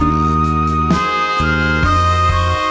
สวัสดีครับ